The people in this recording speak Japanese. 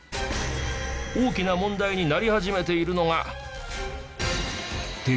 大きな問題になり始めているのが。